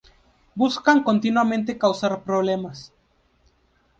Buscan continuamente causar problemas.